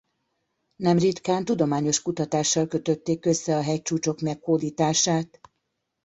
Nemritkán tudományos kutatással kötötték össze a hegycsúcsok meghódítását.